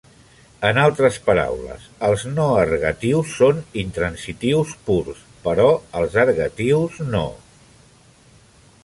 En altres paraules, els no ergatius són intransitius purs, però els ergatius no.